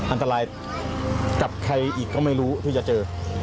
อันตรายกับใครอีกก็ไม่รู้ที่จะเจอ